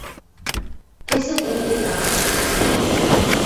Кӹзӹт ӹнде тагышты-